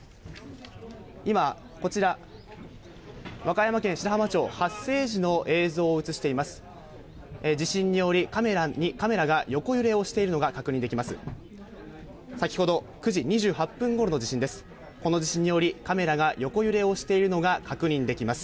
今、和歌山県白浜町、発生時の映像を映しております。